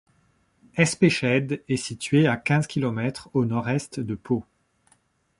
Espéchède est située à quinze kilomètres au Nord est de Pau.